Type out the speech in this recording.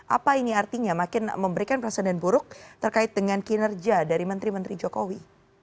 apa ini artinya makin memberikan perasaan buruk terkait dengan kinerja dari menteri menteri jokowi